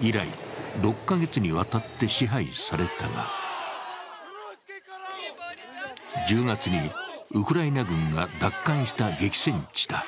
以来、６か月にわたって支配されたが、１０月にウクライナ軍が奪還した激戦地だ。